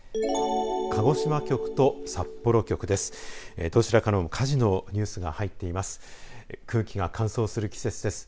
鹿児島局と札幌局です。